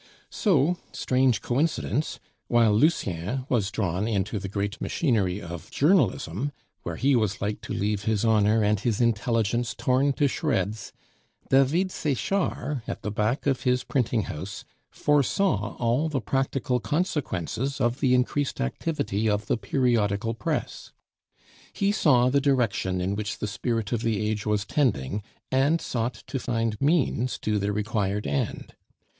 So, strange coincidence! while Lucien was drawn into the great machinery of journalism, where he was like to leave his honor and his intelligence torn to shreds, David Sechard, at the back of his printing house, foresaw all the practical consequences of the increased activity of the periodical press. He saw the direction in which the spirit of the age was tending, and sought to find means to the required end.